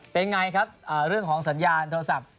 เป็นไงครับเรื่องของสัญญาณโทรศัพท์